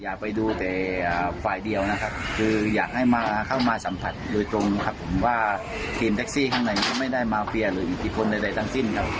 อยากไปดูแต่ฝ่ายเดียวนะครับคืออยากให้มาเข้ามาสัมผัสโดยตรงครับผมว่าทีมแท็กซี่ข้างในก็ไม่ได้มาเฟียหรืออิทธิพลใดทั้งสิ้นครับ